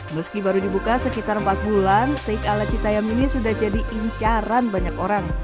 meski baru dibuka sekitar empat bulan steak ala citayam ini sudah jadi incaran banyak orang